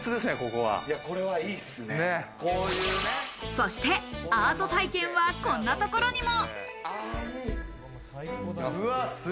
そしてアート体験はこんなところにも。